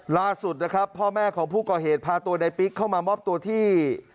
ล่าสุดนะครับพ่อแม่ของผู้ก่อเหตุพาตัวในปิ๊กเข้ามามอบตัวที่